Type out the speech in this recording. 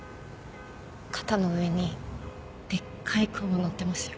肩の上にでっかいクモ乗ってますよ。